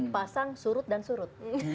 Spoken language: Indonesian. pasang surut dan surut